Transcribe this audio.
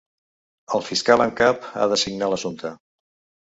El fiscal en cap ha d’assignar l’assumpte.